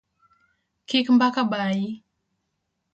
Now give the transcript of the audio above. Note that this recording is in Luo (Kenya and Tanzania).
Kik mbaka bayi